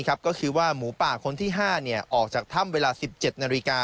ก็คือว่าหมูป่าคนที่๕ออกจากถ้ำเวลา๑๗นาฬิกา